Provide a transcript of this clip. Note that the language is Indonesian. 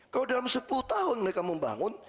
kalau dalam sepuluh tahun mereka membangun